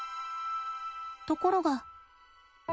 ところが。